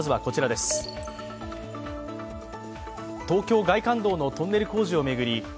東京外環道のトンネル工事を巡り